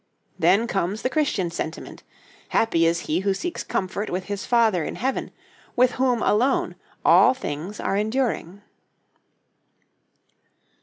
Then comes the Christian sentiment: happy is he who seeks comfort with his Father in heaven, with whom alone all things are enduring.